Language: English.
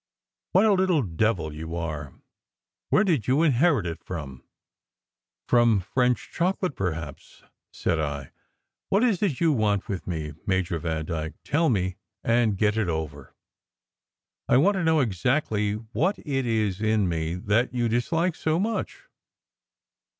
"What a little devil you are! Where did you inherit it from?" " From French chocolate, perhaps," said I. " What is it you want with me, Major Vandyke? Tell me, and get it over." " I want to know exactly what it is in me that you dis like so much?"